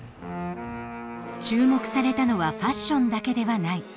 注目されたのはファッションだけではない。